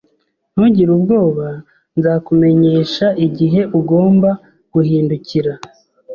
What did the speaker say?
Ntugire ubwoba. Nzakumenyesha igihe ugomba guhindukira.